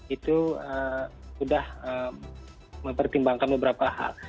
itu sudah mempertimbangkan beberapa hal